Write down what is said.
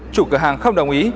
chủ cửa hàng không đồng ý